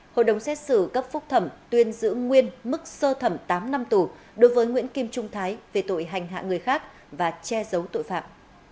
hội đồng xét xử cấp phúc thẩm tuyên giữ nguyên mức sơ thẩm tám năm tù đối với nguyễn kim trung thái về tội hành hạ người khác và che giấu tội phạm